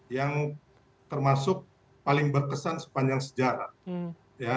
yang termasuk paling berkesan sepanjang sejarah